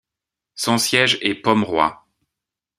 Son siège est Pomeroy.